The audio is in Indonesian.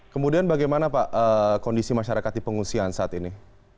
kemudian bagaimana pak kondisi masyarakat di pengungsian saat ini